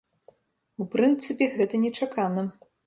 У прынцыпе, гэта нечакана.